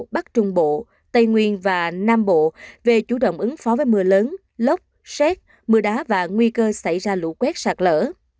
bắc trung bộ tây nguyên và nam bộ về chủ động ứng phó với mưa lớn lốc xét mưa đá và nguy cơ xảy ra lũ quét sạt lở